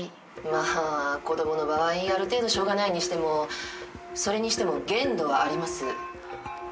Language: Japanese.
まあ子供の場合ある程度しょうがないにしてもそれにしても限度があります。